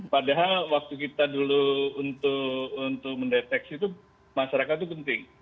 padahal waktu kita dulu untuk mendeteksi itu masyarakat itu penting